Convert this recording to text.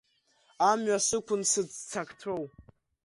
Амҩа сықәын, сыццакцәоу…